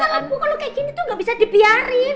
ya kaya gini kan kalau bu kalau kaya gini tuh gak bisa dipiarin